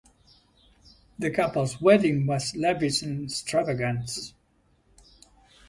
The couple's wedding was lavish and extravagant.